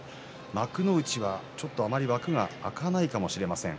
幕内は、あまり枠が空かないかもしれません。